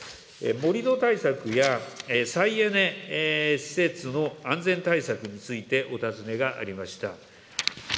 盛り土対策や再エネ施設の安全対策について、お尋ねがありました。